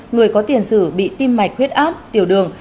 người có tiền sử bị tim mạch huyết áp tiểu đường